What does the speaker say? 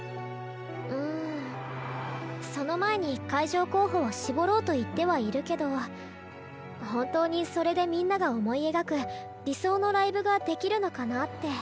うんその前に会場候補を絞ろうと言ってはいるけど本当にそれでみんなが思い描く理想のライブができるのかなって悩むよ。